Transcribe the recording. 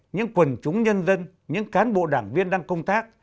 những quần chúng nhân dân những cán bộ đảng viên đang công tác